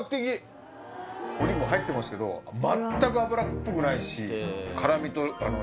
お肉も入ってますけど全く脂っぽくないし。